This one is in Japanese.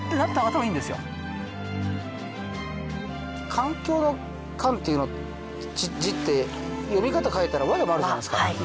環境の「環」っていう字って読み方変えたら「わ」でもあるじゃないですか。